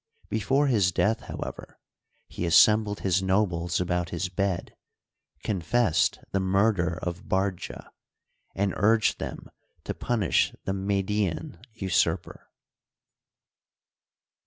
Before his death, however, he assembled his nobles about his bed, confessed the murder of Bardja, and urged them to punish the Median usurper.